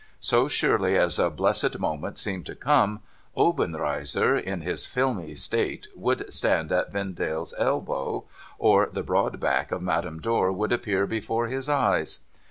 So surely as a blessed moment seemed to come, Obenreizer, in his filmy state, would stand at Vendale's elbow, or the broad back of Madame Dor would appear before his eyes.